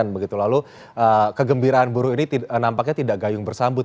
begitu lalu kegembiraan buruh ini nampaknya tidak gayung bersambut